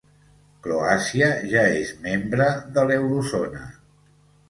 Croàcia ja és membre de l'Eurozona.